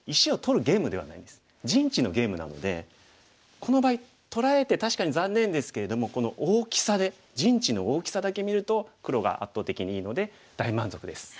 この場合取られて確かに残念ですけれどもこの大きさで陣地の大きさだけ見ると黒が圧倒的にいいので大満足です。